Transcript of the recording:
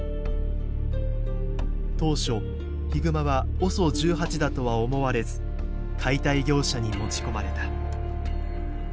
当初ヒグマはＯＳＯ１８だとは思われず解体業者に持ち込まれた。